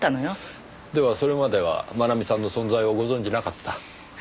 ではそれまでは真奈美さんの存在をご存じなかった？